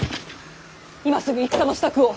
今すぐ戦の支度を。